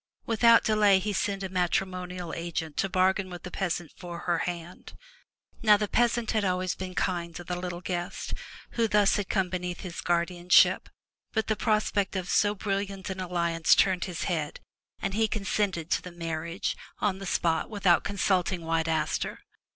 Without delay he sent a matrimonial agent to bargain with the peasant for her hand. Now the peasant had been always kind to the little guest who thus had come beneath his guardianship, but the prospect of so brilliant an alliance turned his head, and he consented to the marriage on the spot, without consulting White Aster.